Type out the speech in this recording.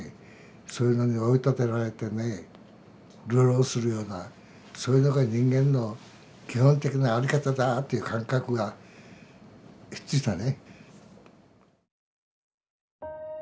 そういうのに追い立てられてね流浪するようなそういうのが人間の基本的な在り方だっていう感覚がひっついたね。